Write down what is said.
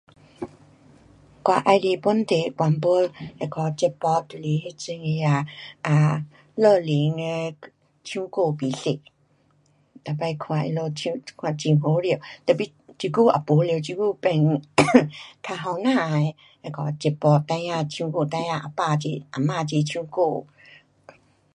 我喜欢本地的广播那个节目就是那种的啊，um 乐龄的唱歌比赛，每次看他们唱，看很好笑，tapi 这久也没了，这久变 较年轻的那个节目，孩儿唱歌，孩儿啊爸齐，阿妈齐唱歌。